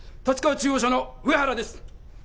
中央署の上原です。